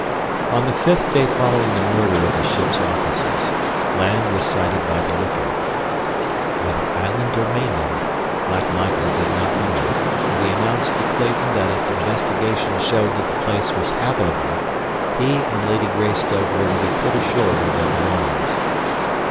On the fifth day following the murder of the ship's officers, land was sighted by the lookout. Whether island or mainland, Black Michael did not know, but he announced to Clayton that if investigation showed that the place was habitable he and Lady Greystoke were to be put ashore with their belongings.